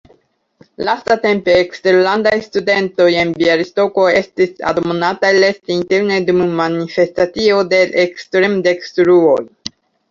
Lastatempe eksterlandaj studentoj en Bjalistoko estis admonataj resti interne dum manifestacio de ekstremdekstruloj.